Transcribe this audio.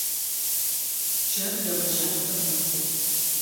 Джар егъэжьапӏэ мэхъу.